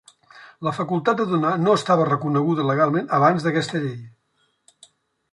La facultat de donar no estava reconeguda legalment abans d'aquesta llei.